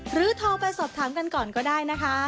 หรือทอไปสอบถังกันก่อนก็ได้นะคะ